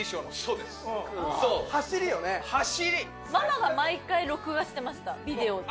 ママが毎回録画してましたビデオテープに。